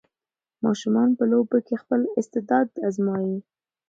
ماشومان په لوبو کې خپل استعداد ازمويي.